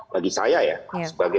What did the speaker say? bagi saya ya sebagai